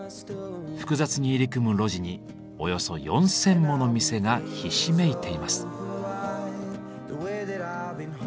複雑に入り組む路地におよそ４，０００もの店がひしめいています。